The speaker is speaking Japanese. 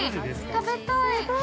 食べたい。